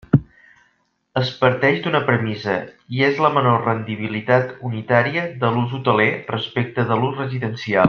Es parteix d'una premissa, i és la menor rendibilitat unitària de l'ús hoteler respecte de l'ús residencial.